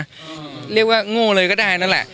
ไม่ได้เก่งเลยนะเรียกว่างโง่เลยก็ได้นั่นแหละ